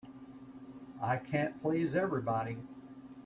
I can't please everybody.